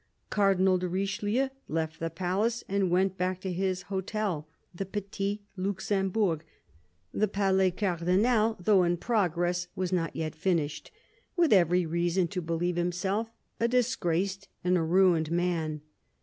Cardinal de Richelieu left the palace and went back to his hotel, the Petit Luxembourg — the Palais Cardinal, though THE CARDINAL 213 in progress, was not yet finished — with every reason to believe himself a disgraced and ruined man.